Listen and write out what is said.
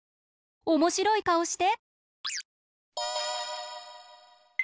おもしろいかおして。